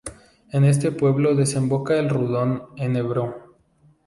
En este pueblo desemboca el Rudrón en el Ebro.